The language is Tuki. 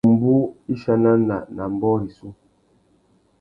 Pumbú i chanana nà ambōh rissú.